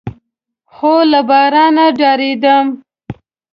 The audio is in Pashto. خو له بارانه ډارېدم.